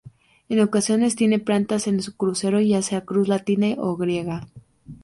En ocasiones tiene plantas en crucero, ya sea cruz latina o griega.